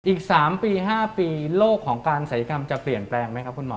อีก๓ปี๕ปีโลกของการศัยกรรมจะเปลี่ยนแปลงไหมครับคุณหมอ